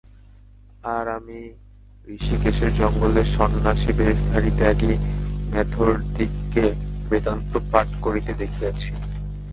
আর আমি হৃষীকেশের জঙ্গলে সন্ন্যাসিবেশধারী ত্যাগী মেথরদিগকে বেদান্ত পাঠ করিতে দেখিয়াছি।